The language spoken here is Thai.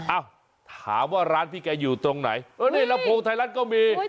อ้าวถามว่าร้านพี่แกอยู่ตรงไหนเออนี่ลำโพงไทยรัฐก็มี